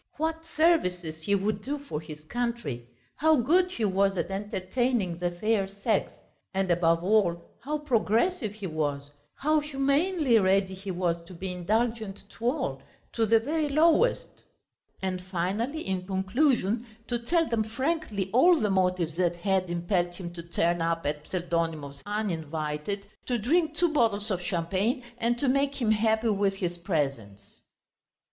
What services he would do for his country, how good he was at entertaining the fair sex, and above all, how progressive he was, how humanely ready he was to be indulgent to all, to the very lowest; and finally in conclusion to tell them frankly all the motives that had impelled him to turn up at Pseldonimov's uninvited, to drink two bottles of champagne and to make him happy with his presence.